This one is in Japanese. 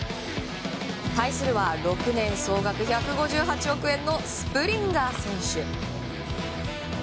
対するは６年総額１５８億円のスプリンガー選手。